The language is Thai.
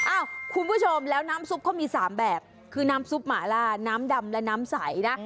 คุณผู้ชมแล้วน้ำซุปเขามี๓แบบคือน้ำซุปหมาล่าน้ำดำและน้ำใสนะ